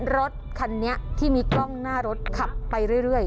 รถคันนี้ที่มีกล้องหน้ารถขับไปเรื่อย